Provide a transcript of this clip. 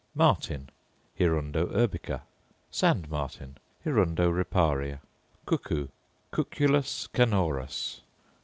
_ Martin, Hirundo urbica. Sand martin, Hirundo riparia. Cuckoo, _Cuculus canorus.